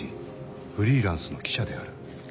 フリーランスの記者である。